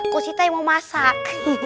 kau sita yang mau masak